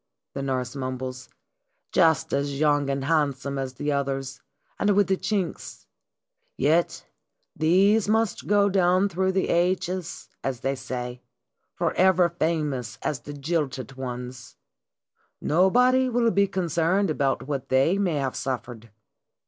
the nurse mumbles. " Just as young and handsome as the others, and with the chinks ! Yet these must go down through the ages, as they say, forever famous as the jilted ones! Nobody will be concerned about what they may have suffered.